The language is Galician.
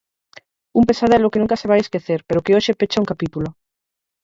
Un pesadelo que nunca se vai esquecer pero que hoxe pecha un capítulo.